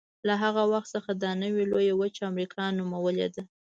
له هغه وخت څخه دا نوې لویه وچه امریکا نومولې ده.